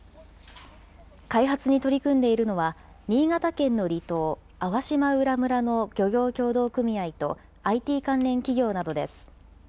開発に取り組んでいるのは、新潟県の離島、粟島浦村の漁業協同組合とＩＴ関連企業などです。